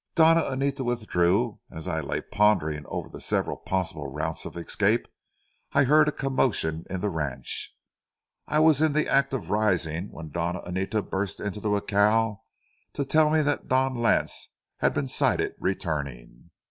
Doña Anita withdrew, and as I lay pondering over the several possible routes of escape, I heard a commotion in the ranch. I was in the act of rising when Doña Anita burst into the jacal to tell me that Don Lance had been sighted returning.